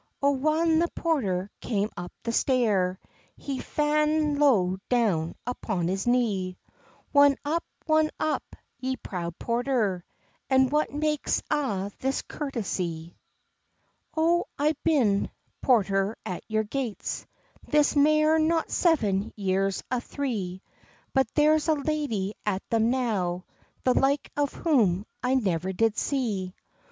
O whan the porter came up the stair, He's fa'n low down upon his knee: "Won up, won up, ye proud porter, And what makes a' this courtesy?" "O I've been porter at your gates This mair nor seven years an three, But there is a lady at them now The like of whom I never did see.